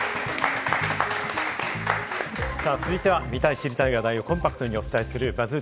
続いては、見たい、知りたい話題をコンパクトにお伝えするＢＵＺＺ